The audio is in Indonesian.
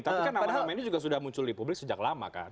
tapi kan nama nama ini juga sudah muncul di publik sejak lama kan